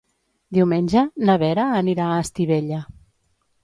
Diumenge na Vera anirà a Estivella.